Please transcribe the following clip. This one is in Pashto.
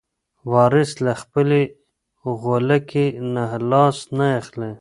وارث له خپلې غولکې نه لاس نه اخلي.